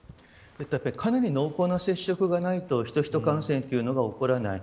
かなり濃厚な接触がないとヒトヒト感染というのは起こらない。